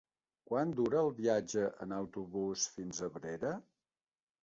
Quant dura el viatge en autobús fins a Abrera?